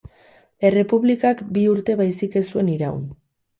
Errepublikak bi urte baizik ez zuen iraun.